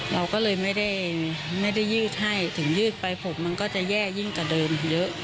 เราก็เลยไม่ได้ยืดให้ถึงยืดไปผมมันก็จะแย่ยิ่งกว่าเดิมเยอะ